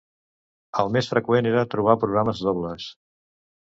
El més freqüent era trobar programes dobles.